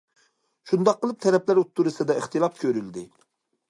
شۇنداق قىلىپ تەرەپلەر ئوتتۇرىسىدا ئىختىلاپ كۆرۈلدى.